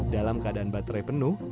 dalam keadaan baterai penuh